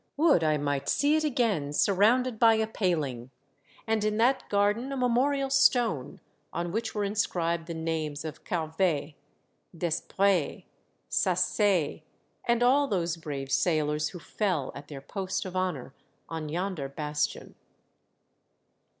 Would I might see it again, surrounded by a pal ing, and in that garden a memorial stone, on which were inscribed the names of Carves, Desprez, Saisset, and all those brave sailors who fell at their post of honor on yonder bastion.